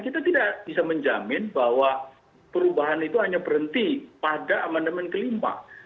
kita tidak bisa menjamin bahwa perubahan itu hanya berhenti pada amandemen kelima